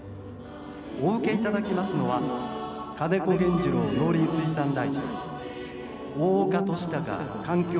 お受けいただきますのは金子原二郎農林水産大臣大岡敏孝環境